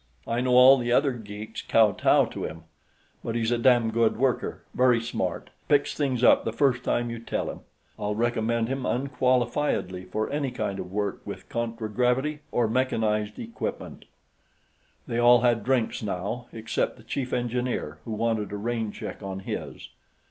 I know all the other geeks kowtow to him. But he's a damn good worker. Very smart; picks things up the first time you tell him. I'll recommend him unqualifiedly for any kind of work with contragravity or mechanized equipment." They all had drinks, now, except the chief engineer, who wanted a rain check on his.